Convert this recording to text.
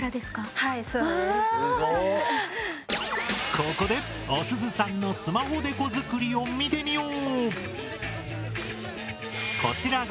ここでおすずさんのスマホデコ作りを見てみよう。